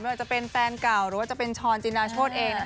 ว่าจะเป็นแฟนเก่าหรือว่าจะเป็นช้อนจินาโชธเอง